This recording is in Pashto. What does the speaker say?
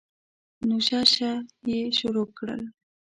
نو شه شه یې شروع کړل.